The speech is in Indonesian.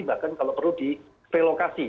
bahkan kalau perlu di relokasi